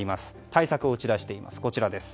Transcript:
対策を打ち出しています。